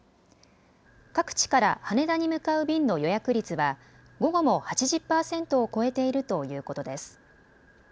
各地から羽田に向かう便の予約率は午後も８０％を超えているということです。